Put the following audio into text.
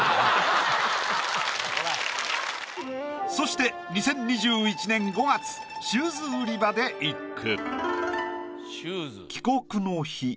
そして２０２１年５月「シューズ売り場」で一句。